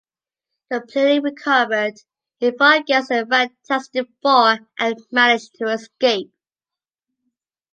Completely recovered, he fought against the Fantastic Four, and managed to escape.